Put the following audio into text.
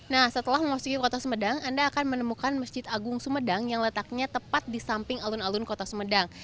nah setelah memasuki kota sumedang anda akan menemukan masjid agung sumedang yang letaknya tepat di samping alun alun kota sumedang